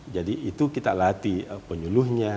jadi itu kita latih penyuluhnya